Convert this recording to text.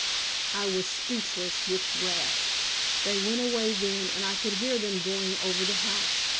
I was speechless with wrath. They went away then, and I could hear them going over the house.